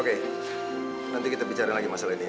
oke nanti kita bicara lagi masalah ini